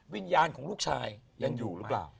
วิญญาณของลูกชายยังอยู่หรือเปล่า